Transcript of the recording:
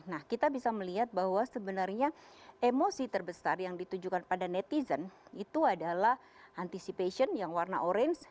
nah kita bisa melihat bahwa sebenarnya emosi terbesar yang ditujukan pada netizen itu adalah anticipation yang warna orange